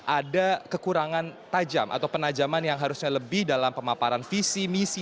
ada kekurangan tajam atau penajaman yang harusnya lebih dalam pemaparan visi misi